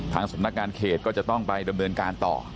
สำนักงานเขตก็จะต้องไปดำเนินการต่อ